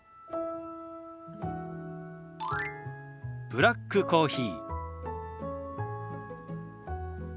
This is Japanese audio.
「ブラックコーヒー」。